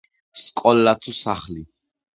სკლოლა თუ სახლი?